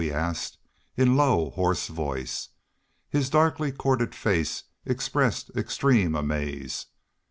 he asked, in low, hoarse voice. His darkly corded face expressed extremest amaze.